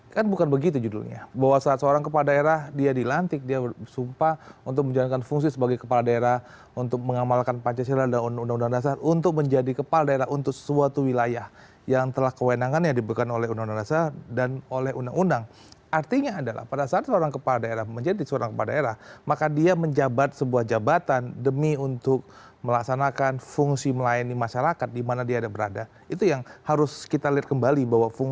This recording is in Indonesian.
kan bukan begitu judulnya bahwa seorang kepala daerah dia dilantik dia bersumpah untuk menjalankan fungsi sebagai kepala daerah untuk mengamalkan pancasila dan undang undang dasar untuk menjadi kepala daerah untuk suatu wilayah yang telah kewenangannya dibekan oleh undang undang dasar dan oleh asn